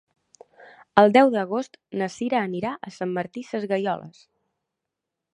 El deu d'agost na Sira anirà a Sant Martí Sesgueioles.